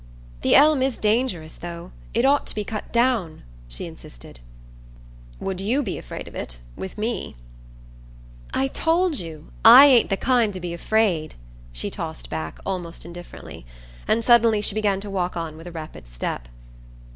"The elm is dangerous, though. It ought to be cut down," she insisted. "Would you be afraid of it, with me?" "I told you I ain't the kind to be afraid" she tossed back, almost indifferently; and suddenly she began to walk on with a rapid step.